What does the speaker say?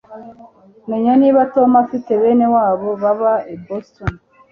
Menya niba Tom afite bene wabo baba i Boston